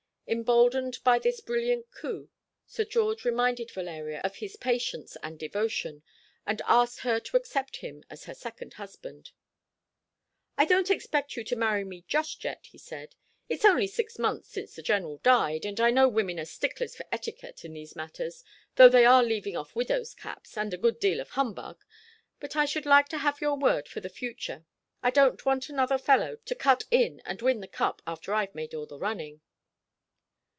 Emboldened by this brilliant coup, Sir George reminded Valeria of his patience and devotion, and asked her to accept him as her second husband. "I don't expect you to marry me just yet," he said. "It's only six months since the General died and I know women are sticklers for etiquette in these matters, though they are leaving off widow's caps, and a good deal of humbug. But I should like to have your word for the future. I don't want another fellow to cut in and win the cup after I've made all the running."